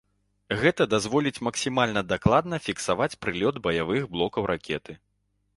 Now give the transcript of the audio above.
Гэта дазволіць максімальна дакладна фіксаваць прылёт баявых блокаў ракеты.